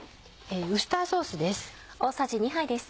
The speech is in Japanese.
ウスターソースです。